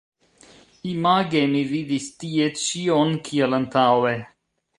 Image mi vidis tie ĉion kiel antaŭe.